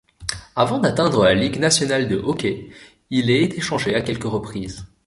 Avant d'atteindre la Ligue nationale de hockey, il est échangé à quelques reprises.